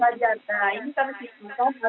karena anak anak di sana